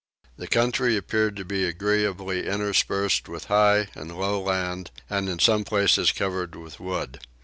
The country appeared to be agreeably interspersed with high and low land, and in some places covered with wood.